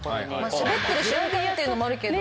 しゃべってる瞬間っていうのもあるけど。